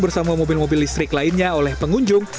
bersama mobil mobil listrik lainnya oleh pengunjung